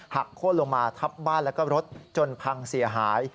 โค้นลงมาทับบ้านแล้วก็รถจนพังเสียหาย